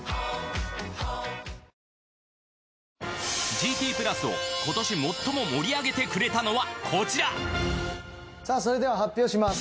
「ＧＴプラス」を今年もっとも盛り上げてくれたのはこちらさぁそれでは発表します。